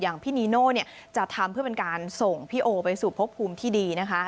พี่นีโน่จะทำเพื่อเป็นการส่งพี่โอไปสู่พบภูมิที่ดีนะคะ